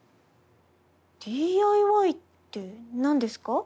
「ＤＩＹ」ってなんですか？